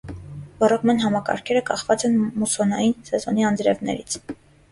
Ոռոգման համակարգերը կախված են մուսսոնային սեզոնի անձրևներից։